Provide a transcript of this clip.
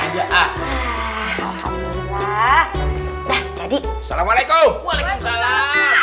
jadi assalamualaikum waalaikumsalam